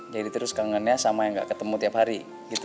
jadi terus kangennya sama yang enggak ketemu tiap hari gitu